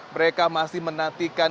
mereka masih menantikan